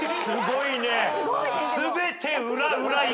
すごいね。